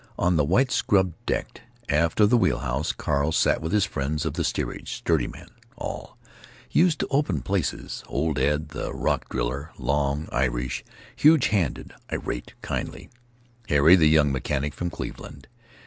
On the white scrubbed deck aft of the wheel house Carl sat with his friends of the steerage—sturdy men all, used to open places; old Ed, the rock driller, long, Irish, huge handed, irate, kindly; Harry, the young mechanic from Cleveland.